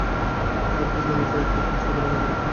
সরু পথ নেমেছে নীচে একটা খাসিয়া গ্রামের দিকে।